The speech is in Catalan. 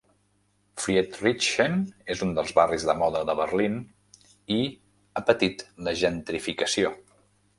Friedrichshain és un dels barris de moda de Berlín i ha patit la gentrificació.